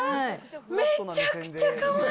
めちゃくちゃかわいい！